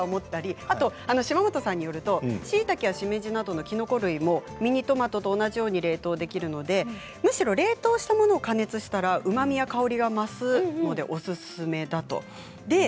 あと島本さんによるとしいたけや、しめじなどのきのこ類もミニトマトと同じように冷凍できるので冷凍したものを加熱したらうまみや、香りが増すのでおすすめだということです。